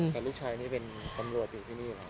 แต่ลูกชายนี่เป็นตำรวจอยู่ที่นี่ครับ